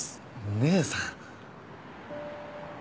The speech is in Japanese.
姉さん！